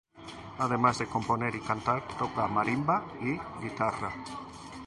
Además de componer y cantar toca marimba y guitarra.